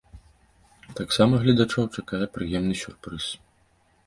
Таксама гледачоў чакае прыемны сюрпрыз.